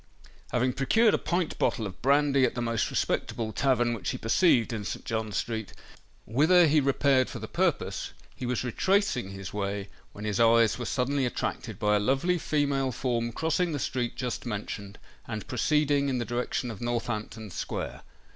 Having procured a pint bottle of brandy at the most respectable tavern which he perceived in St. John Street, whither he repaired for the purpose, he was retracing his way, when his eyes were suddenly attracted by a lovely female form crossing the street just mentioned, and proceeding in the direction of Northampton Square.